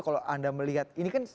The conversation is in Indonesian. kalau anda melihat ini kan